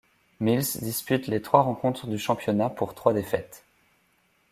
Mills dispute les trois rencontres du championnat pour trois défaites.